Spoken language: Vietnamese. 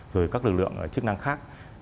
rồi các lực lượng chức năng khác